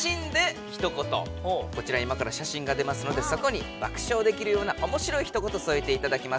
こちら今から写真が出ますのでそこに爆笑できるようなおもしろいひと言そえていただきます。